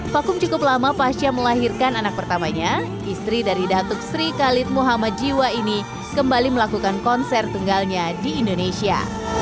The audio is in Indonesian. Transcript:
vakum cukup lama pasca melahirkan anak pertamanya istri dari datuk sri khalid muhammad jiwa ini kembali melakukan konser tunggalnya di indonesia